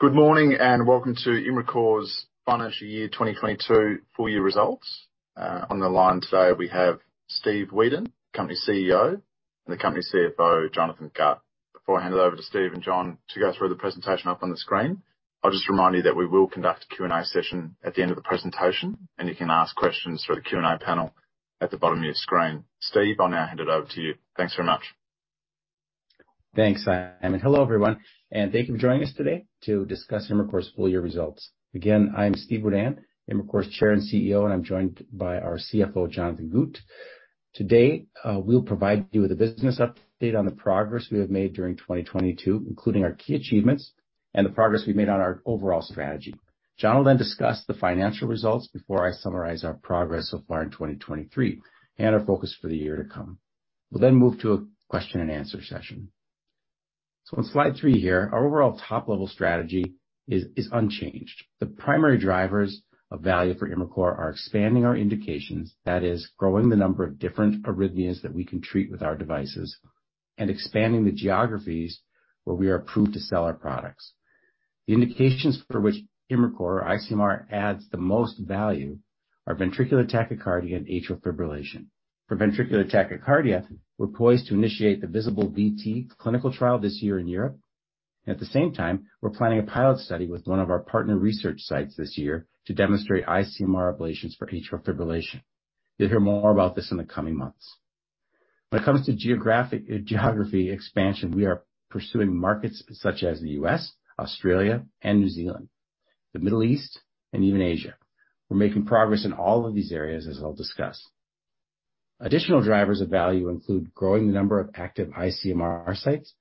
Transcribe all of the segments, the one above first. Good morning, welcome to Imricor's Financial Year 2022 Full Year Results. On the line today we have Steve Wedan, company CEO, and the company CFO, Jonathon Gut. Before I hand it over to Steve and John to go through the presentation up on the screen, I'll just remind you that we will conduct a Q&A session at the end of the presentation, and you can ask questions through the Q&A panel at the bottom of your screen. Steve, I'll now hand it over to you. Thanks very much. Thanks, Simon. Hello, everyone, thank you for joining us today to discuss Imricor's full year results. Again, I'm Steve Wedan, Imricor's Chair and CEO, and I'm joined by our CFO, Jonathon Gut. Today, we'll provide you with a business update on the progress we have made during 2022, including our key achievements and the progress we've made on our overall strategy. John will then discuss the financial results before I summarize our progress so far in 2023 and our focus for the year to come. We'll then move to a question and answer session. On slide three here, our overall top-level strategy is unchanged. The primary drivers of value for Imricor are expanding our indications. That is, growing the number of different arrhythmias that we can treat with our devices, and expanding the geographies where we are approved to sell our products. The indications for which Imricor iCMR adds the most value are ventricular tachycardia and atrial fibrillation. For ventricular tachycardia, we're poised to initiate the VISABL-VT clinical trial this year in Europe. At the same time, we're planning a pilot study with one of our partner research sites this year to demonstrate iCMR ablations for atrial fibrillation. You'll hear more about this in the coming months. When it comes to geography expansion, we are pursuing markets such as the U.S., Australia and New Zealand, the Middle East and even Asia. We're making progress in all of these areas, as I'll discuss. Additional drivers of value include growing the number of active iCMR sites,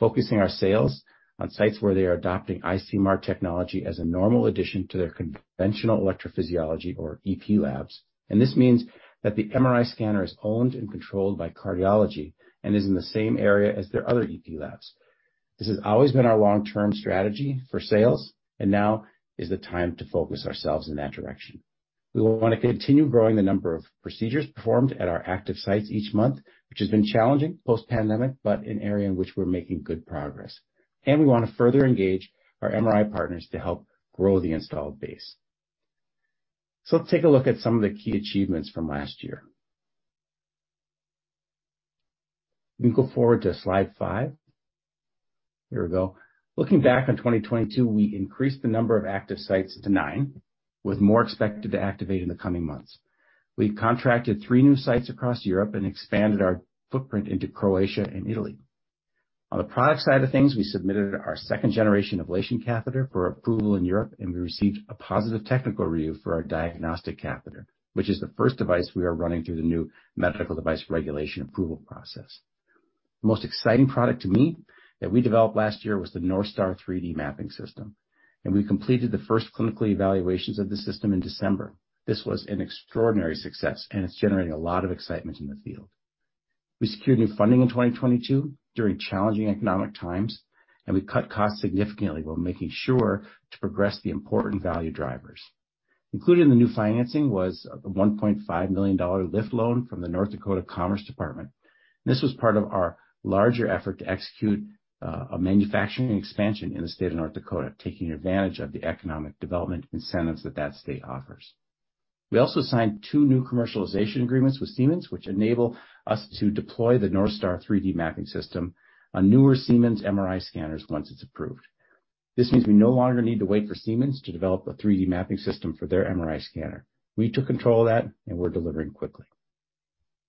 focusing our sales on sites where they are adopting iCMR technology as a normal addition to their conventional electrophysiology, or EP labs. This means that the MRI scanner is owned and controlled by cardiology and is in the same area as their other EP labs. This has always been our long-term strategy for sales, and now is the time to focus ourselves in that direction. We want to continue growing the number of procedures performed at our active sites each month, which has been challenging post-pandemic, but an area in which we're making good progress. We want to further engage our MRI partners to help grow the installed base. Let's take a look at some of the key achievements from last year. We can go forward to slide five. Here we go. Looking back on 2022, we increased the number of active sites to nine, with more expected to activate in the coming months. We've contracted three new sites across Europe and expanded our footprint into Croatia and Italy. On the product side of things, we submitted our second generation ablation catheter for approval in Europe. We received a positive technical review for our diagnostic catheter, which is the first device we are running through the new Medical Device Regulation approval process. The most exciting product to me that we developed last year was the NorthStar 3D mapping system. We completed the first clinical evaluations of the system in December. This was an extraordinary success. It's generating a lot of excitement in the field. We secured new funding in 2022 during challenging economic times. We cut costs significantly while making sure to progress the important value drivers. Included in the new financing was a $1.5 million LIFT loan from the North Dakota Department of Commerce. This was part of our larger effort to execute a manufacturing expansion in the state of North Dakota, taking advantage of the economic development incentives that that state offers. We also signed two new commercialization agreements with Siemens, which enable us to deploy the NorthStar 3D mapping system on newer Siemens MRI scanners once it's approved. This means we no longer need to wait for Siemens to develop a 3D mapping system for their MRI scanner. We took control of that, and we're delivering quickly.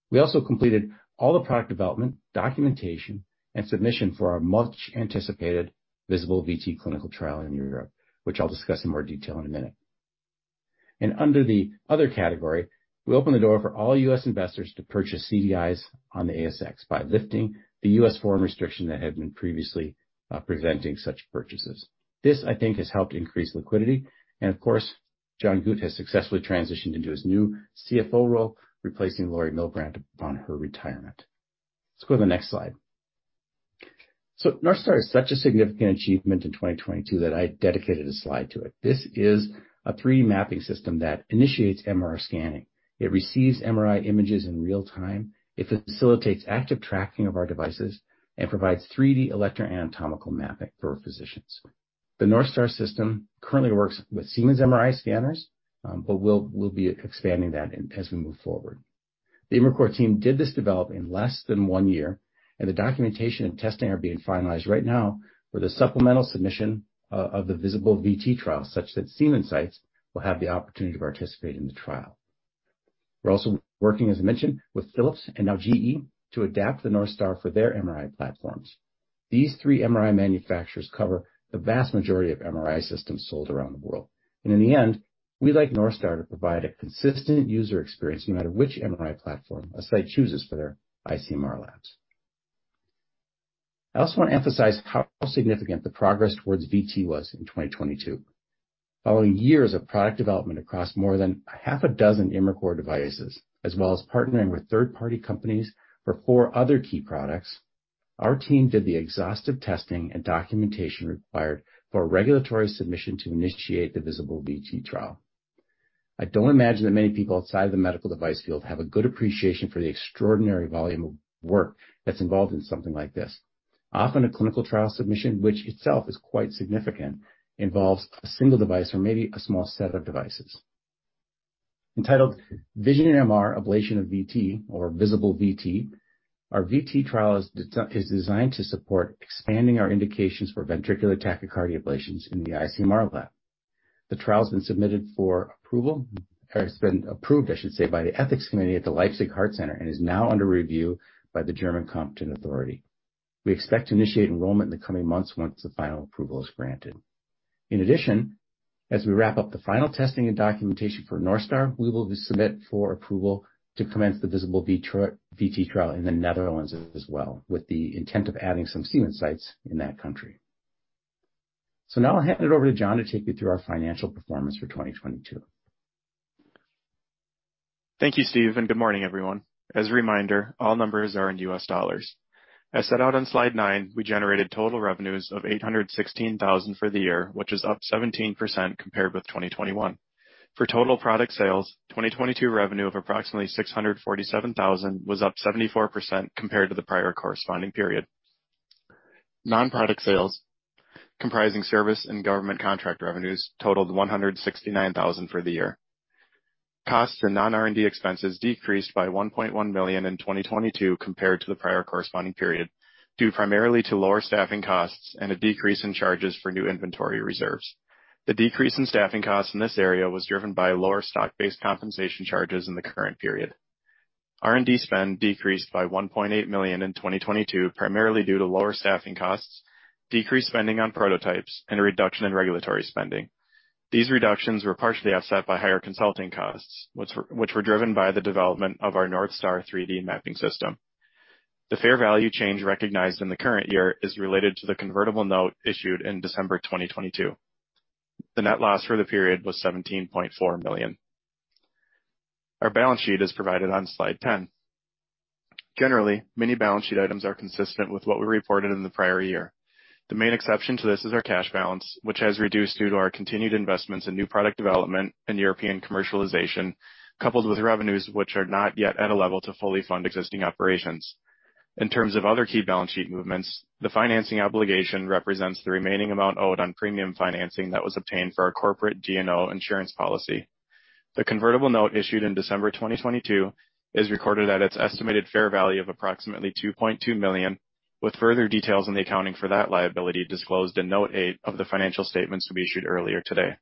We also completed all the product development, documentation, and submission for our much-anticipated VISABL-VT clinical trial in Europe, which I'll discuss in more detail in a minute. Under the other category, we opened the door for all U.S. investors to purchase CDIs on the ASX by lifting the U.S. foreign restriction that had been previously preventing such purchases. This, I think, has helped increase liquidity, and of course, Jonathon Gut has successfully transitioned into his new CFO role, replacing Lori Milbrandt upon her retirement. Let's go to the next slide. NorthStar is such a significant achievement in 2022 that I dedicated a slide to it. This is a 3D mapping system that initiates MRI scanning. It receives MRI images in real time. It facilitates active tracking of our devices and provides 3D electroanatomical mapping for our physicians. The NorthStar system currently works with Siemens MRI scanners, but we'll be expanding that as we move forward. The Imricor team did this develop in less than 1 year, and the documentation and testing are being finalized right now for the supplemental submission of the VISABL-VT trial, such that Siemens sites will have the opportunity to participate in the trial. We're also working, as I mentioned, with Philips and now GE to adapt the NorthStar for their MRI platforms. These three MRI manufacturers cover the vast majority of MRI systems sold around the world. In the end, we'd like NorthStar to provide a consistent user experience no matter which MRI platform a site chooses for their ICMR labs. I also want to emphasize how significant the progress towards VT was in 2022. Following years of product development across more than a half a dozen Imricor devices, as well as partnering with third-party companies for four other key products, our team did the exhaustive testing and documentation required for regulatory submission to initiate the VISABL-VT trial. I don't imagine that many people outside of the medical device field have a good appreciation for the extraordinary volume of work that's involved in something like this. Often a clinical trial submission, which itself is quite significant, involves a single device or maybe a small set of devices. Entitled Vision-MR Ablation of VT or VISABL-VT. Our VT trial is designed to support expanding our indications for ventricular tachycardia ablations in the iCMR lab. The trial has been submitted for approval, or it's been approved, I should say, by the ethics committee at the Leipzig Heart Center, and is now under review by the German competent authority. We expect to initiate enrollment in the coming months once the final approval is granted. In addition, as we wrap up the final testing and documentation for NorthStar, we will submit for approval to commence the VISABL-VT trial in the Netherlands as well, with the intent of adding some Swedish sites in that country. Now I'll hand it over to John to take you through our financial performance for 2022. Thank you, Steve. Good morning, everyone. As a reminder, all numbers are in US dollars. As set out on slide nine, we generated total revenues of $816,000 for the year, which is up 17% compared with 2021. For total product sales, 2022 revenue of approximately $647,000 was up 74% compared to the prior corresponding period. Non-product sales, comprising service and government contract revenues totaled $169,000 for the year. Costs and non-R&D expenses decreased by $1.1 million in 2022 compared to the prior corresponding period, due primarily to lower staffing costs and a decrease in charges for new inventory reserves. The decrease in staffing costs in this area was driven by lower stock-based compensation charges in the current period. R&D spend decreased by $1.8 million in 2022, primarily due to lower staffing costs, decreased spending on prototypes, and a reduction in regulatory spending. These reductions were partially offset by higher consulting costs, which were driven by the development of our NorthStar 3D mapping system. The fair value change recognized in the current year is related to the convertible note issued in December 2022. The net loss for the period was $17.4 million. Our balance sheet is provided on slide 10. Generally, many balance sheet items are consistent with what we reported in the prior year. The main exception to this is our cash balance, which has reduced due to our continued investments in new product development and European commercialization, coupled with revenues which are not yet at a level to fully fund existing operations. In terms of other key balance sheet movements, the financing obligation represents the remaining amount owed on premium financing that was obtained for our corporate D&O insurance policy. The convertible note issued in December 2022 is recorded at its estimated fair value of approximately $2.2 million, with further details on the accounting for that liability disclosed in Note 8 of the financial statements to be issued earlier today.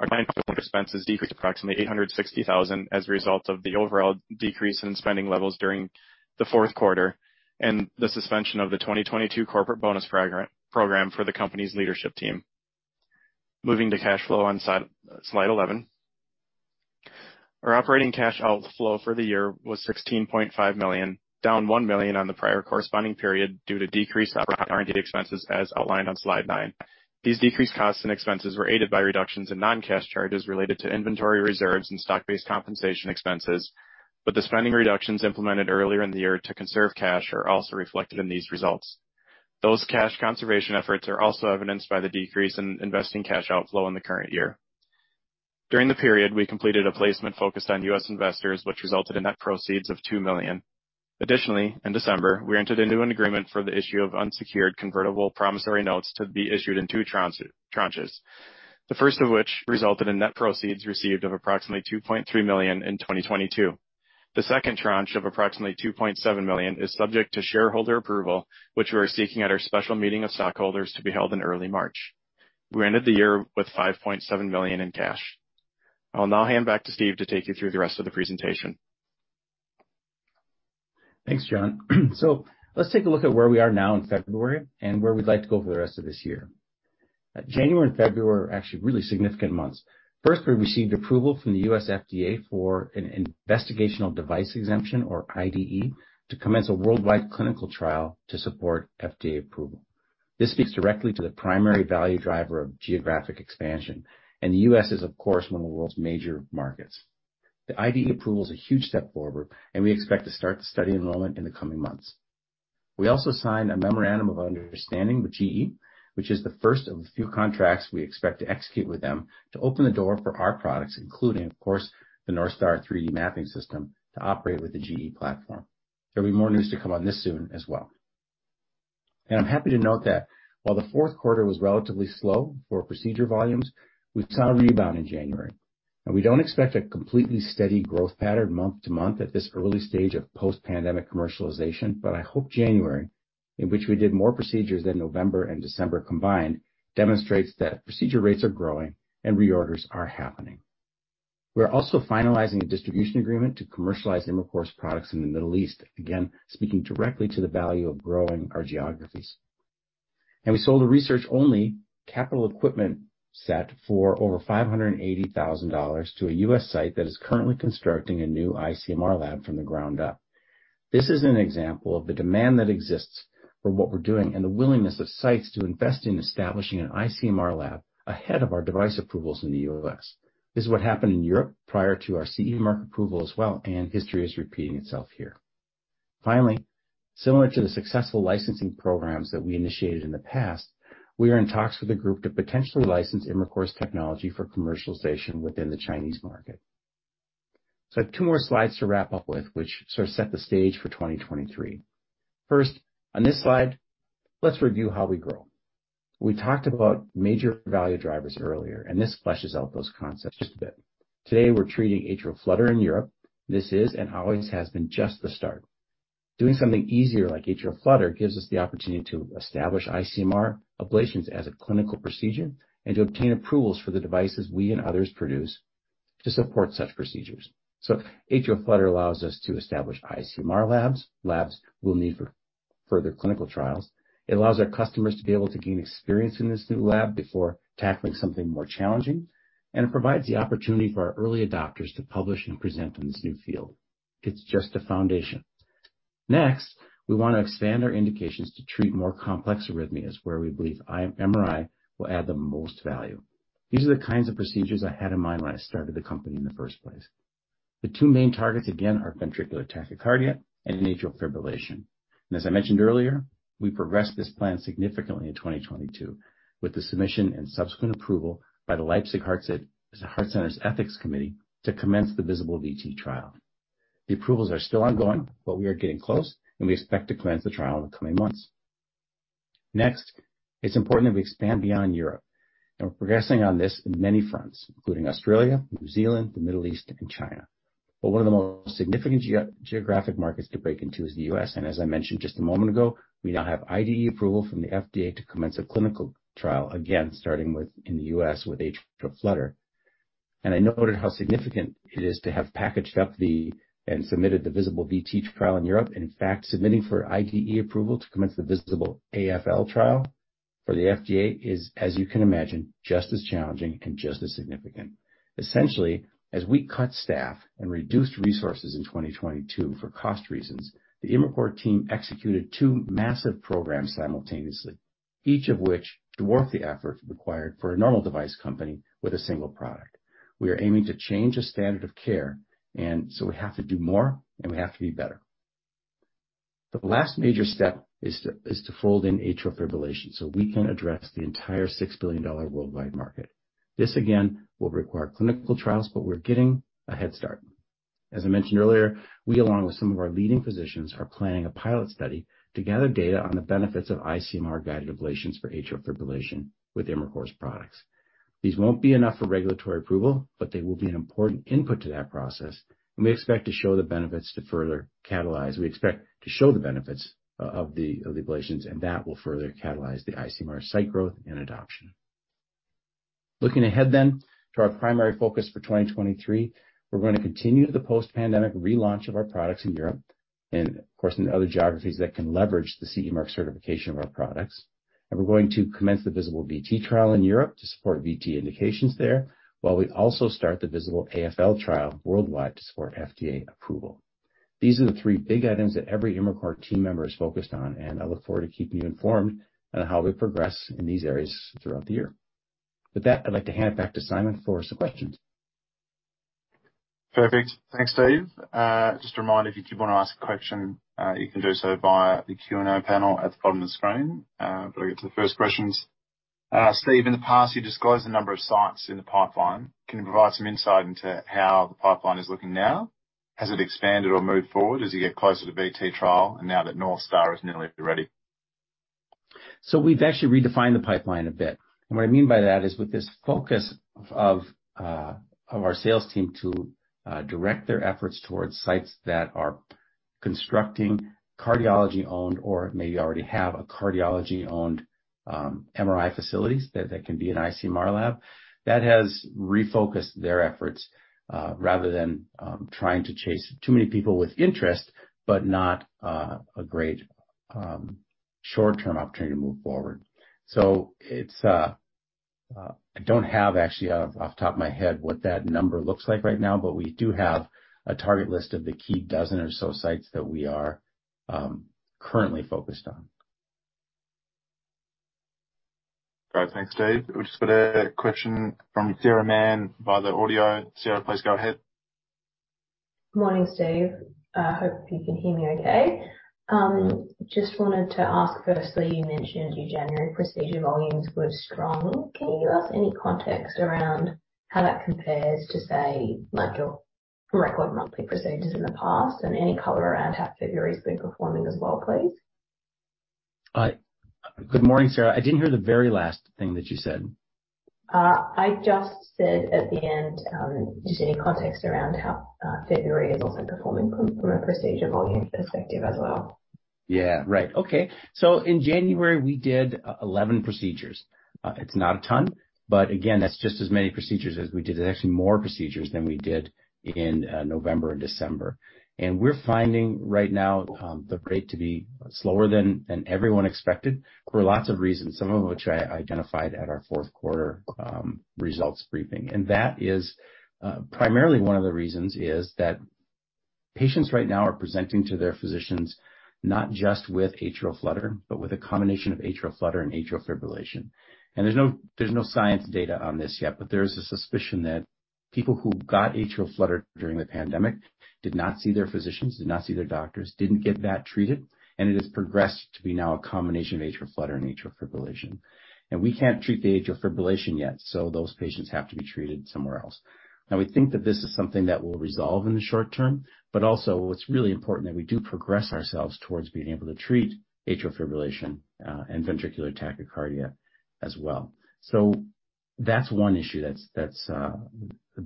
Our expenses decreased approximately $860,000 as a result of the overall decrease in spending levels during the fourth quarter and the suspension of the 2022 corporate bonus program for the company's leadership team. Moving to cash flow on Slide 11. Our operating cash outflow for the year was $16.5 million, down $1 million on the prior corresponding period due to decreased R&D expenses as outlined on Slide 9. These decreased costs and expenses were aided by reductions in non-cash charges related to inventory reserves and stock-based compensation expenses, the spending reductions implemented earlier in the year to conserve cash are also reflected in these results. Those cash conservation efforts are also evidenced by the decrease in investing cash outflow in the current year. During the period, we completed a placement focused on U.S. investors, which resulted in net proceeds of $2 million. Additionally, in December, we entered into an agreement for the issue of unsecured convertible promissory notes to be issued in two tranches. The first of which resulted in net proceeds received of approximately $2.3 million in 2022. The second tranche of approximately $2.7 million is subject to shareholder approval, which we are seeking at our special meeting of stockholders to be held in early March. We ended the year with $5.7 million in cash. I'll now hand back to Steve to take you through the rest of the presentation. Thanks, John. Let's take a look at where we are now in February and where we'd like to go for the rest of this year. January and February are actually really significant months. First, we received approval from the U.S. FDA for an Investigational Device Exemption, or IDE, to commence a worldwide clinical trial to support FDA approval. This speaks directly to the primary value driver of geographic expansion, and the U.S. is, of course, one of the world's major markets. The IDE approval is a huge step forward, and we expect to start the study enrollment in the coming months. We also signed a memorandum of understanding with GE, which is the first of a few contracts we expect to execute with them to open the door for our products, including, of course, the NorthStar 3D mapping system, to operate with the GE platform. There'll be more news to come on this soon as well. I'm happy to note that while the fourth quarter was relatively slow for procedure volumes, we saw a rebound in January. We don't expect a completely steady growth pattern month to month at this early stage of post-pandemic commercialization, but I hope January, in which we did more procedures than November and December combined, demonstrates that procedure rates are growing and reorders are happening. We are also finalizing a distribution agreement to commercialize Imricor's products in the Middle East, again, speaking directly to the value of growing our geographies. We sold a research-only capital equipment set for over $580,000 to a U.S. site that is currently constructing a new iCMR lab from the ground up. This is an example of the demand that exists for what we're doing and the willingness of sites to invest in establishing an iCMR lab ahead of our device approvals in the US. This is what happened in Europe prior to our CE mark approval as well, and history is repeating itself here. Finally, similar to the successful licensing programs that we initiated in the past, we are in talks with a group to potentially license Imricor's technology for commercialization within the Chinese market. I have two more slides to wrap up with, which sort of set the stage for 2023. First, on this slide, let's review how we grow. We talked about major value drivers earlier, and this fleshes out those concepts just a bit. Today, we're treating atrial flutter in Europe. This is and always has been just the start. Doing something easier like atrial flutter gives us the opportunity to establish ICMR ablations as a clinical procedure and to obtain approvals for the devices we and others produce to support such procedures. atrial flutter allows us to establish ICMR labs we'll need for further clinical trials. It allows our customers to be able to gain experience in this new lab before tackling something more challenging. It provides the opportunity for our early adopters to publish and present in this new field. It's just a foundation. Next, we wanna expand our indications to treat more complex arrhythmias where we believe MRI will add the most value. These are the kinds of procedures I had in mind when I started the company in the first place. The two main targets again are ventricular tachycardia and atrial fibrillation. As I mentioned earlier, we progressed this plan significantly in 2022 with the submission and subsequent approval by the Leipzig Heart Center's Ethics Committee to commence the VISABL-VT trial. The approvals are still ongoing, but we are getting close, and we expect to commence the trial in the coming months. Next, it's important that we expand beyond Europe, and we're progressing on this in many fronts, including Australia, New Zealand, the Middle East, and China. One of the most significant geographic markets to break into is the U.S. As I mentioned just a moment ago, we now have IDE approval from the FDA to commence a clinical trial, again, starting in the U.S. with atrial flutter. I noted how significant it is to have packaged up and submitted the VISABL-VT trial in Europe. Submitting for IDE approval to commence the VISABL-AFL trial for the FDA is, as you can imagine, just as challenging and just as significant. Essentially, as we cut staff and reduced resources in 2022 for cost reasons, the Imricor team executed two massive programs simultaneously, each of which dwarf the effort required for a normal device company with a single product. We are aiming to change the standard of care, we have to do more, and we have to be better. The last major step is to fold in atrial fibrillation so we can address the entire $6 billion worldwide market. This again will require clinical trials, we're getting a head start. As I mentioned earlier, we, along with some of our leading physicians, are planning a pilot study to gather data on the benefits of iCMR-guided ablations for atrial fibrillation with Imricor's products. These won't be enough for regulatory approval, but they will be an important input to that process. We expect to show the benefits of the ablations, and that will further catalyze the iCMR site growth and adoption. Looking ahead to our primary focus for 2023, we're gonna continue the post-pandemic relaunch of our products in Europe and of course, in other geographies that can leverage the CE mark certification of our products. We're going to commence the VISABL-VT trial in Europe to support VT indications there, while we also start the VISABL-AFL trial worldwide to support FDA approval. These are the three big items that every Imricor team member is focused on. I look forward to keeping you informed on how we progress in these areas throughout the year. With that, I'd like to hand it back to Simon for some questions. Perfect. Thanks, Steve. just a reminder, if you do wanna ask a question, you can do so via the Q&A panel at the bottom of the screen. I'm gonna get to the first questions. Steve, in the past, you disclosed the number of sites in the pipeline. Can you provide some insight into how the pipeline is looking now? Has it expanded or moved forward as you get closer to VT trial and now that NorthStar is nearly ready? We've actually redefined the pipeline a bit. What I mean by that is with this focus of our sales team to direct their efforts towards sites that are constructing cardiology-owned or maybe already have a cardiology-owned MRI facilities that can be an ICMR lab. That has refocused their efforts rather than trying to chase too many people with interest, but not a great short-term opportunity to move forward. It's I don't have actually off the top of my head what that number looks like right now, but we do have a target list of the key dozen or so sites that we are currently focused on. Got it. Thanks, Steve. We've just got a question from Sarah Mann via the audio. Sarah, please go ahead. Morning, Steve. Hope you can hear me okay. Just wanted to ask, firstly, you mentioned your January procedure volumes were strong. Can you give us any context around how that compares to, say, module record monthly procedures in the past? Any color around how February has been performing as well, please. Good morning, Sarah. I didn't hear the very last thing that you said. I just said at the end, just any context around how February is also performing from a procedure volume perspective as well? In January, we did 11 procedures. It's not a ton, but again, that's just as many procedures as we did. There's actually more procedures than we did in November and December. We're finding right now the rate to be slower than everyone expected for lots of reasons, some of which I identified at our fourth quarter results briefing. That is primarily one of the reasons is that patients right now are presenting to their physicians not just with atrial flutter, but with a combination of atrial flutter and atrial fibrillation. There's no, there's no science data on this yet, but there is a suspicion People who got atrial flutter during the pandemic did not see their physicians, did not see their doctors, didn't get that treated, and it has progressed to be now a combination of atrial flutter and atrial fibrillation. We can't treat the atrial fibrillation yet, so those patients have to be treated somewhere else. We think that this is something that will resolve in the short term, but also what's really important that we do progress ourselves towards being able to treat atrial fibrillation and ventricular tachycardia as well. That's one issue that's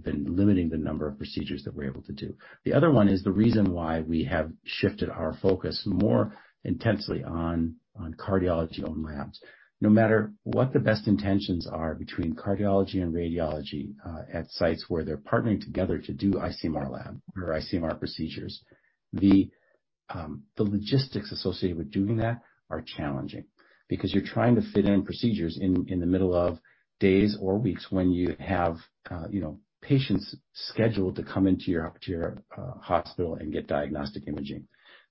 been limiting the number of procedures that we're able to do. The other one is the reason why we have shifted our focus more intensely on cardiology-owned labs. No matter what the best intentions are between cardiology and radiology, at sites where they're partnering together to do ICMR lab or ICMR procedures, the logistics associated with doing that are challenging because you're trying to fit in procedures in the middle of days or weeks when you have, you know, patients scheduled to come into your hospital and get diagnostic imaging.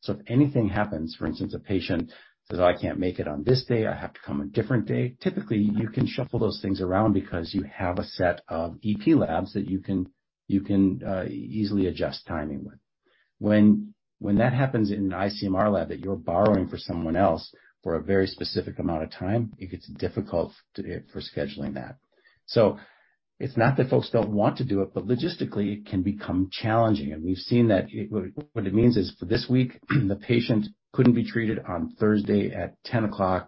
If anything happens, for instance, a patient says, "Oh, I can't make it on this day, I have to come a different day," typically, you can shuffle those things around because you have a set of EP labs that you can easily adjust timing with. When that happens in an ICMR lab that you're borrowing for someone else for a very specific amount of time, it gets difficult for scheduling that. It's not that folks don't want to do it, but logistically it can become challenging. We've seen that what it means is, for this week, the patient couldn't be treated on Thursday at 10:00AM,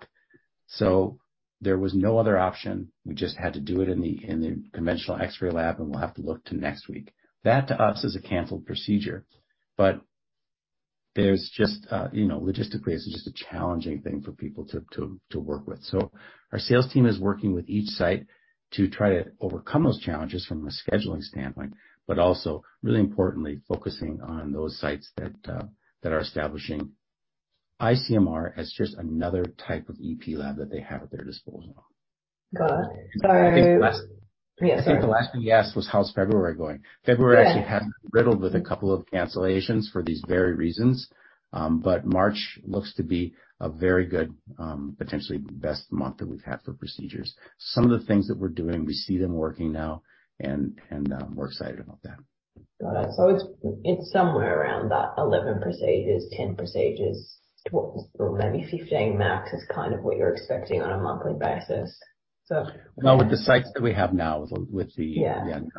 so there was no other option. We just had to do it in the conventional X-ray lab, and we'll have to look to next week. That, to us, is a canceled procedure. There's just, you know, logistically, it's just a challenging thing for people to work with. Our sales team is working with each site to try to overcome those challenges from a scheduling standpoint, but also, really importantly, focusing on those sites that are establishing ICMR as just another type of EP lab that they have at their disposal. Got it. I think the last Yes. I think the last thing you asked was how's February going. Yes. February actually had been riddled with a couple of cancellations for these very reasons. March looks to be a very good, potentially the best month that we've had for procedures. Some of the things that we're doing, we see them working now and, we're excited about that. Got it. It's somewhere around that 11%, 10%, or maybe 15% max is kind of what you're expecting on a monthly basis. Well, with the sites that we have now. Yeah. With the ongoing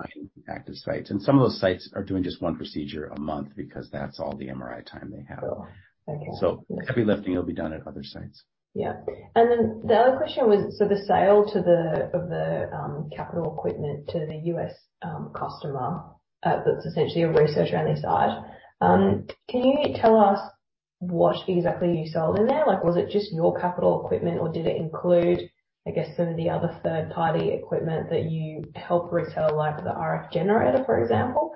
active sites. Some of those sites are doing just one procedure a month because that's all the MRI time they have. Sure. Okay. The heavy lifting will be done at other sites. Yeah. The other question was the sale of the capital equipment to the U.S. customer, that's essentially a research-only site. Can you tell us what exactly you sold in there? Like, was it just your capital equipment, or did it include, I guess, some of the other third-party equipment that you help resell, like the RF generator, for example?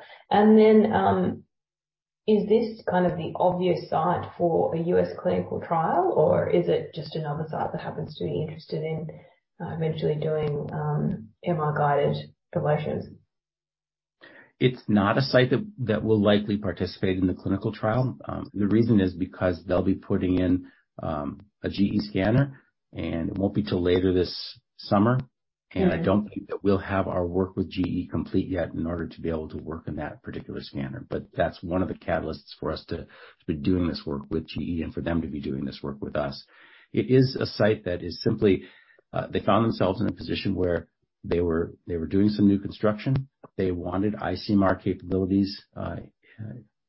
Is this kind of the obvious site for a U.S. clinical trial, or is it just another site that happens to be interested in eventually doing MR-guided ablations? It's not a site that will likely participate in the clinical trial. The reason is because they'll be putting in a GE scanner, and it won't be 'til later this summer. Mm-hmm. I don't think that we'll have our work with GE complete yet in order to be able to work on that particular scanner. That's one of the catalysts for us to be doing this work with GE and for them to be doing this work with us. It is a site that is simply, they found themselves in a position where they were doing some new construction. They wanted ICMR capabilities,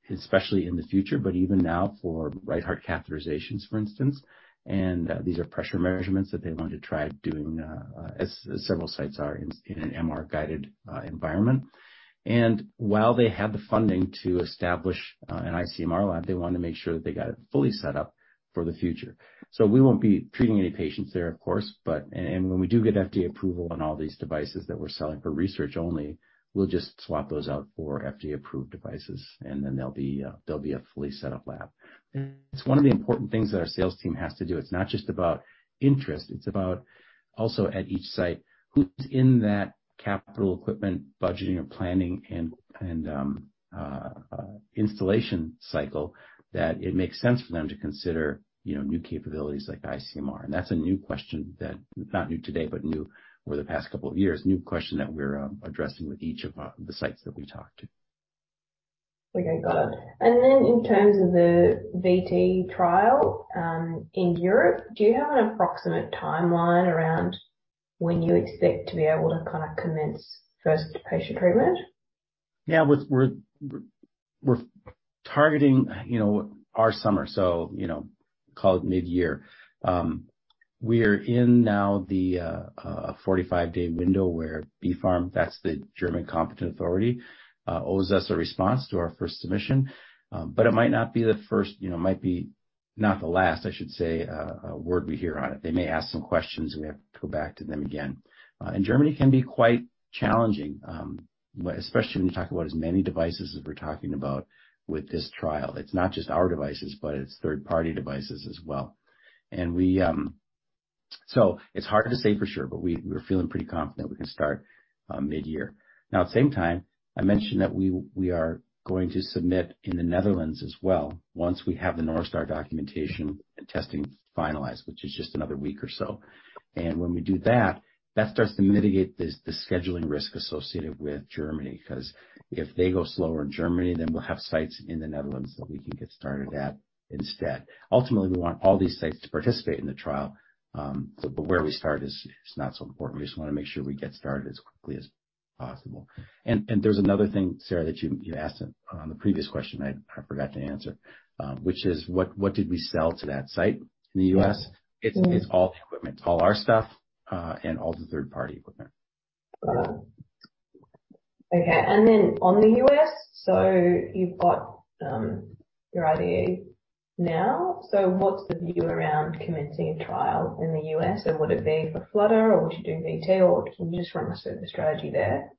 especially in the future, but even now for right heart catheterizations, for instance. These are pressure measurements that they want to try doing as several sites are in an MR-guided environment. While they have the funding to establish an ICMR lab, they want to make sure that they got it fully set up for the future. We won't be treating any patients there, of course, but. When we do get FDA approval on all these devices that we're selling for research only, we'll just swap those out for FDA-approved devices, and then they'll be a fully set-up lab. It's one of the important things that our sales team has to do. It's not just about interest, it's about also at each site, who's in that capital equipment budgeting and planning and installation cycle, that it makes sense for them to consider, you know, new capabilities like iCMR. That's a new question that, not new today, but new over the past couple of years, new question that we're addressing with each of the sites that we talk to. Okay, got it. In terms of the VT trial, in Europe, do you have an approximate timeline around when you expect to be able to kinda commence first patient treatment? Yeah. We're targeting, you know, our summer. You know, call it mid-year. We are in now the 45-day window where BfArM, that's the German competent authority, owes us a response to our first submission. It might not be the first, you know, it might be not the last, I should say, word we hear on it. They may ask some questions, and we have to go back to them again. Germany can be quite challenging, especially when you're talking about as many devices as we're talking about with this trial. It's not just our devices, but it's third-party devices as well. It's hard to say for sure, but we're feeling pretty confident we can start mid-year. At the same time, I mentioned that we are going to submit in the Netherlands as well, once we have the NorthStar documentation and testing finalized, which is just another week or so. When we do that starts to mitigate this, the scheduling risk associated with Germany. If they go slower in Germany, then we'll have sites in the Netherlands that we can get started at instead. Ultimately, we want all these sites to participate in the trial, so but where we start is not so important. We just wanna make sure we get started as quickly as possible. There's another thing, Sarah, that you asked on the previous question I forgot to answer, which is what did we sell to that site in the U.S.? Yeah. It's all the equipment, all our stuff, and all the third-party equipment. Okay. On the U.S., you've got your IDE now. What's the view around commencing a trial in the U.S., and would it be for flutter or would you do VT, or can you just run us through the strategy there?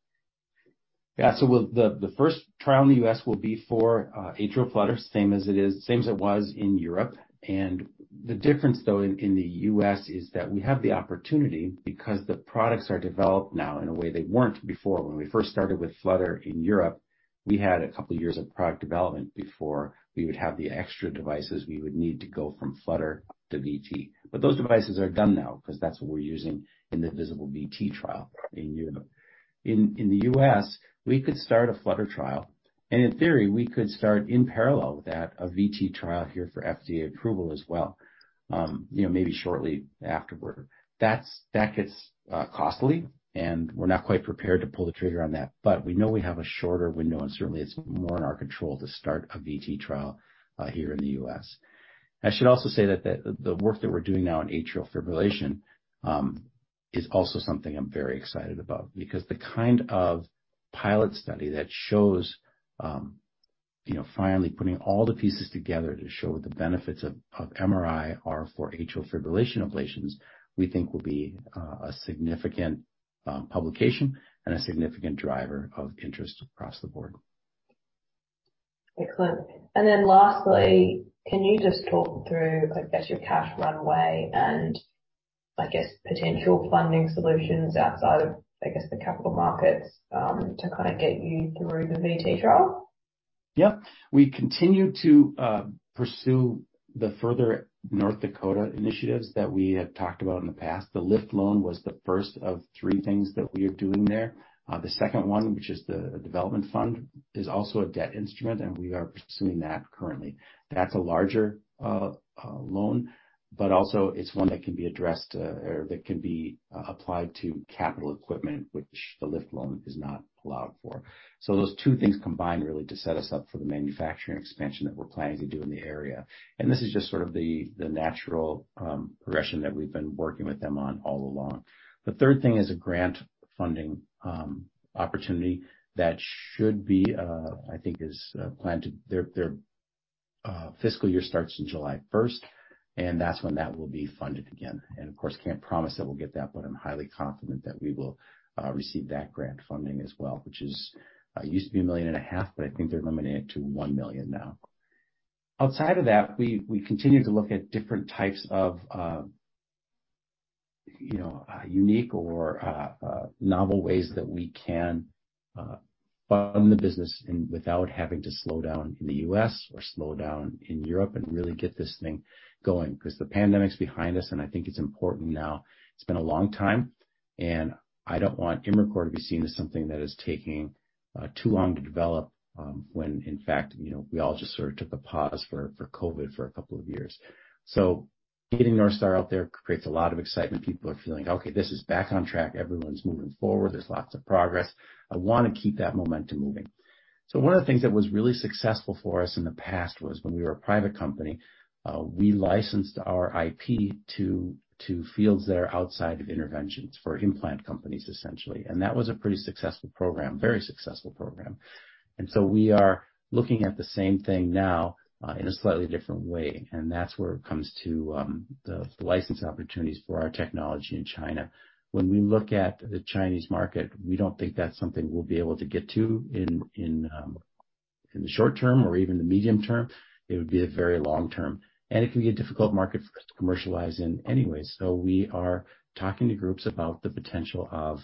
The first trial in the U.S. will be for atrial flutter, same as it was in Europe. The difference though in the U.S. is that we have the opportunity because the products are developed now in a way they weren't before. When we first started with flutter in Europe, we had a couple of years of product development before we would have the extra devices we would need to go from flutter to VT. Those devices are done now 'cause that's what we're using in the VISABL-VT clinical trial in Europe. In the U.S., we could start a flutter trial, and in theory, we could start in parallel with that, a VT trial here for FDA approval as well, you know, maybe shortly afterward. That gets costly. We're not quite prepared to pull the trigger on that. We know we have a shorter window and certainly it's more in our control to start a VT trial here in the U.S. I should also say that the work that we're doing now in atrial fibrillation is also something I'm very excited about because the kind of pilot study that shows, you know, finally putting all the pieces together to show the benefits of MRI are for atrial fibrillation ablations, we think will be a significant publication and a significant driver of interest across the board. Excellent. Then lastly, can you just talk through, I guess, your cash runway and I guess potential funding solutions outside of, I guess, the capital markets, to kinda get you through the VT trial? We continue to pursue the further North Dakota initiatives that we have talked about in the past. The LIFT loan was the first of three things that we are doing there. The second one, which is the development fund, is also a debt instrument, and we are pursuing that currently. That's a larger loan, but also it's one that can be addressed or that can be applied to capital equipment, which the LIFT loan is not allowed for. Those two things combined really to set us up for the manufacturing expansion that we're planning to do in the area. This is just sort of the natural progression that we've been working with them on all along. The third thing is a grant funding opportunity that should be, I think is planned to... Their fiscal year starts in July 1st, and that's when that will be funded again. Of course, can't promise that we'll get that, but I'm highly confident that we will receive that grant funding as well, which is used to be a million and a half, but I think they're limiting it to $1 million now. Outside of that, we continue to look at different types of, you know, unique or novel ways that we can fund the business and without having to slow down in the U.S. or slow down in Europe and really get this thing going. 'Cause the pandemic's behind us, and I think it's important now. It's been a long time, I don't want Imricor to be seen as something that is taking too long to develop, when in fact, you know, we all just sort of took a pause for COVID for couple of years. Getting NorthStar out there creates a lot of excitement. People are feeling, "Okay, this is back on track. Everyone's moving forward. There's lots of progress." I wanna keep that momentum moving. One of the things that was really successful for us in the past was when we were a private company, we licensed our IP to fields that are outside of interventions for implant companies, essentially. That was a pretty successful program, very successful program. We are looking at the same thing now, in a slightly different way, and that's where it comes to, the license opportunities for our technology in China. When we look at the Chinese market, we don't think that's something we'll be able to get to in the short term or even the medium term. It would be a very long term. It can be a difficult market for us to commercialize in anyway. We are talking to groups about the potential of,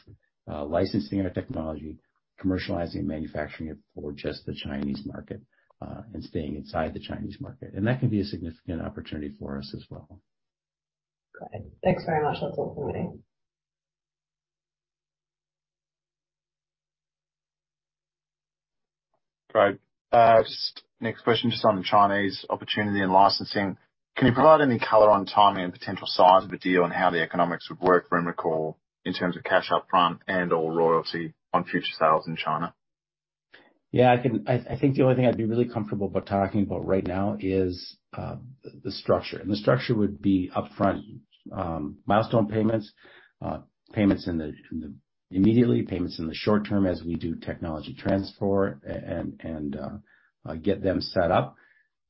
licensing our technology, commercializing and manufacturing it for just the Chinese market, and staying inside the Chinese market. That can be a significant opportunity for us as well. Great. Thanks very much. That's all for me. Great. Just next question, just on Chinese opportunity and licensing, can you provide any color on timing and potential size of a deal and how the economics would work for Imricor in terms of cash up front and/or royalty on future sales in China? Yeah, I can. I think the only thing I'd be really comfortable about talking about right now is the structure. The structure would be upfront milestone payments, immediately, payments in the short term as we do technology transfer and get them set up.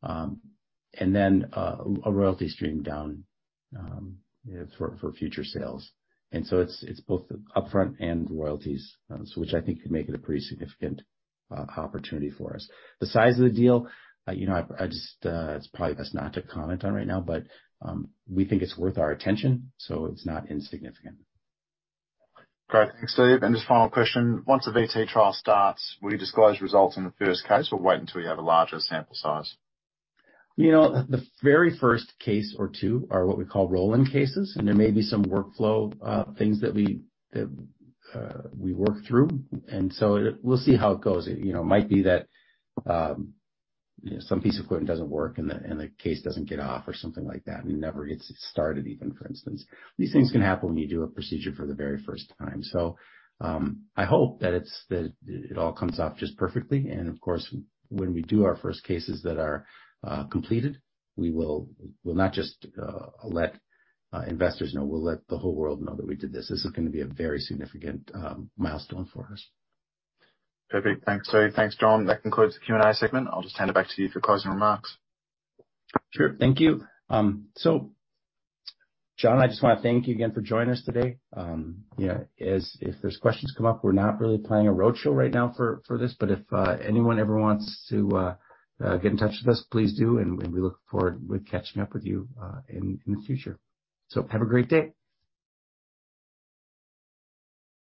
Then a royalty stream down for future sales. It's both upfront and royalties, so which I think could make it a pretty significant opportunity for us. The size of the deal, you know, I just, it's probably best not to comment on right now, but we think it's worth our attention, so it's not insignificant. Great. Thanks, Steve. Just final question, once the VT trial starts, will you disclose results in the first case or wait until you have a larger sample size? You know, the very first case or two are what we call roll-in cases, and there may be some workflow things that we work through. We'll see how it goes. You know, it might be that, you know, some piece of equipment doesn't work and the, and the case doesn't get off or something like that, and it never gets started even, for instance. These things can happen when you do a procedure for the very first time. I hope that it's, that it all comes off just perfectly. Of course, when we do our first cases that are completed, we will, we'll not just let investors know, we'll let the whole world know that we did this. This is gonna be a very significant milestone for us. Perfect. Thanks, Steve. Thanks, John. That concludes the Q&A segment. I'll just hand it back to you for closing remarks. Sure. Thank you. John, I just wanna thank you again for joining us today. You know, if there's questions come up, we're not really planning a roadshow right now for this. If anyone ever wants to get in touch with us, please do, and we look forward with catching up with you in the future. Have a great day.